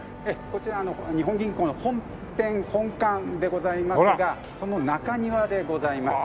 こちら日本銀行の本店本館でございますがその中庭でございます。